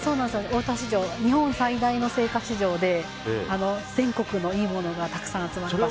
大田市場、日本最大の青果市場で、全国のいいものがたくさん集まっています。